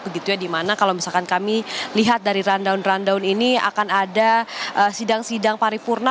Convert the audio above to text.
begitu ya dimana kalau misalkan kami lihat dari rundown rundown ini akan ada sidang sidang paripurna